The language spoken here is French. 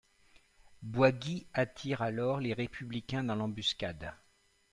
Boisguy attire alors les républicains dans l'embuscade.